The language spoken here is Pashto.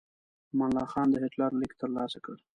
امان الله خان د هیټلر لیک ترلاسه کړ.